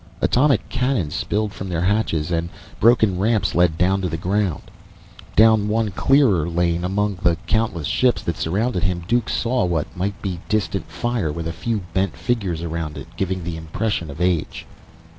Atomic cannon spilled from their hatches, and broken ramps led down to the ground. Down one clearer lane among the countless ships that surrounded him, Duke saw what might be a distant fire with a few bent figures around it, giving the impression of age.